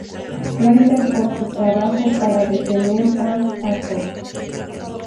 Fraiser por su trabajo para detener a Hathor.